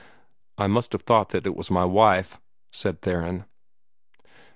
"I must have thought it was my wife," said Theron.